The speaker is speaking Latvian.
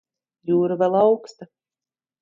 Jūra vēl auksta.